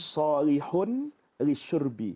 solehun li surbi